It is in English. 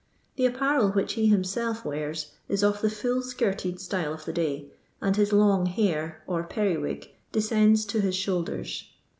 The apparel which he himself wears is of the full skirted style of the day, and his long hair, or periwig, descends to his shoulders.